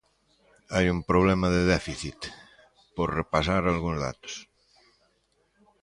Hai un problema de déficit, por repasar algúns datos.